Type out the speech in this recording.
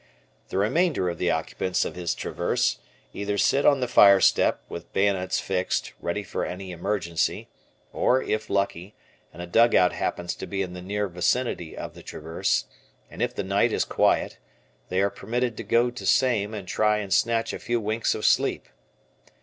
The remainder of the occupants of his traverse either sit on the fire step, with bayonets fixed, ready for any emergency, or if lucky, and a dugout happens to be in the near vicinity of the traverse, and if the night is quiet, they are permitted to go to same and try and snatch a few winks of sleep.